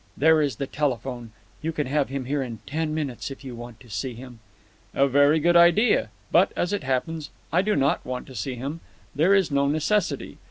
There is the telephone. You can have him here in ten minutes if you want to see him." "A very good idea. But, as it happens, I do not want to see him. There is no necessity.